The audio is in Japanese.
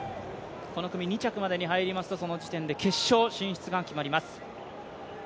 この組２着までに入りますと、その時点で決勝進出が決まります。